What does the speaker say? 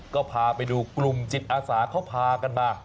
ก็พาไปดูกลุ่มจิตอาสาเขาพากันมา